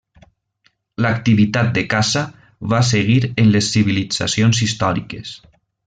L'activitat de caça va seguir en les civilitzacions històriques.